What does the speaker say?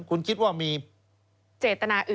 คุณคิดว่ามีเจตนาอื่น